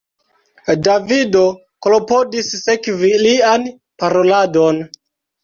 Davido klopodis sekvi lian paroladon.